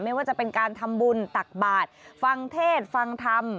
ไม่ว่าจะเป็นการทำบุญตักบาทฟังเทศฟังธรรม